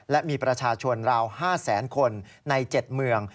และมีประชาชนราว๕แสนคนใน๗เมือง